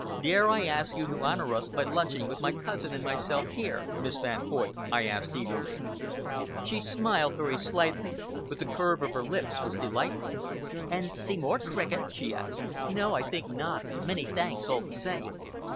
"Dare I ask you to honor us by lunching with my cousin and myself here, Miss Van Hoyt?" I asked eagerly. She smiled very slightly, but the curve of her lips was delightful. "And see more cricket?" she asked. "No! I think not many thanks all the same!"